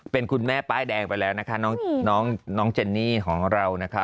เป็นคุณแม่ป้ายแดงไปแล้วนะคะน้องเจนนี่ของเรานะคะ